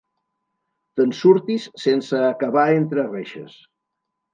Te'n surtis sense acabar entre reixes.